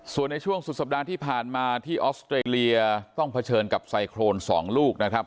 ส่วนในช่วงสุดสัปดาห์ที่ผ่านมาที่ออสเตรเลียต้องเผชิญกับไซโครน๒ลูกนะครับ